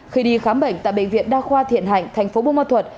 khi đi khám bệnh tại bệnh viện đa khoa thiện hạnh thành phố bô ma thuật